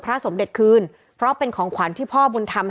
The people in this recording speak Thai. สมเด็จคืนเพราะเป็นของขวัญที่พ่อบุญธรรม